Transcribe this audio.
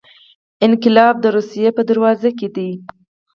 انقلاب د روسیې په دروازو کې دی.